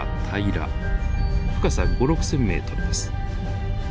深さ５，０００６，０００ｍです。